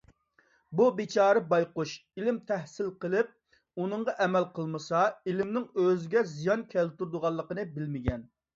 بۇ بىچارە بايقۇش ئىلىم تەھسىل قىلىپ ئۇنىڭغا ئەمەل قىلمىسا ئىلىمنىڭ ئۆزىگە زىيان كەلتۈرىدىغانلىقىنى بىلمىگەن.